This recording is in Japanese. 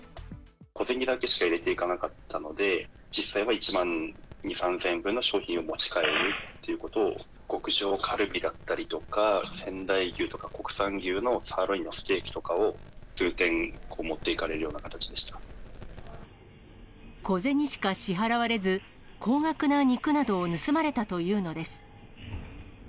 小銭だけしか入れていかなかったので、実際は１万２、３０００円分の商品を持ち帰るっていうことを、極上カルビだったりとか、仙台牛とか国産牛のサーロインのステーキとかを数点持っていかれ小銭しか支払われず、高額な肉などを盗まれたというのです。